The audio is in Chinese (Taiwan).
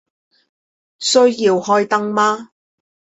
需要開燈嗎